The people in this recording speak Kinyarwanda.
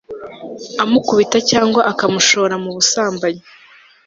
amukubita cyangwa akamushora m'ubusambanyi